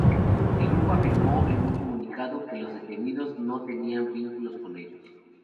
El grupo afirmó en un comunicado que los detenidos no tenían vínculos con ellos.